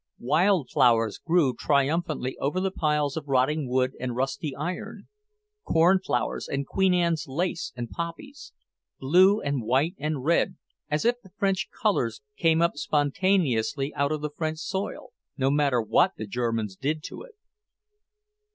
Wild flowers grew triumphantly over the piles of rotting wood and rusty iron; cornflowers and Queen Anne's lace and poppies; blue and white and red, as if the French colours came up spontaneously out of the French soil, no matter what the Germans did to it.